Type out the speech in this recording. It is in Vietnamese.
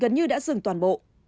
gần như đã dừng toàn bộ